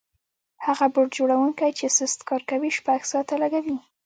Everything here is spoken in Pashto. هغه بوټ جوړونکی چې سست کار کوي شپږ ساعته لګوي.